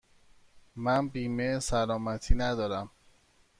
من بیمه سلامتی ندارم.